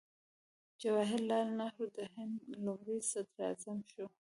جواهر لال نهرو د هند لومړی صدراعظم شو.